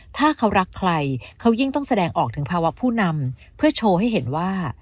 ถ้าเขารักใครเขายิ่งต้องแสดงออกถึงภาวะผู้นำเพื่อโชว์ให้เห็นว่า